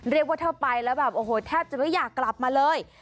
เรียกว่าเธอไปแล้วแบบโอ้โหแทบจะไม่อยากกลับมาเลย